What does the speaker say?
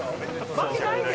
負けないで！